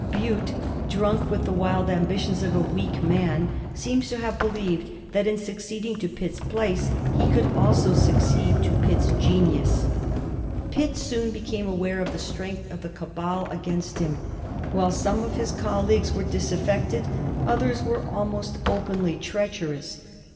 Bute, drunk with the wild ambitions of a weak man, seems to have believed that in succeeding to Pitt's place he could also succeed to Pitt's genius. Pitt soon became aware of the strength of the cabal against him. While some of his colleagues were disaffected, others were almost openly treacherous.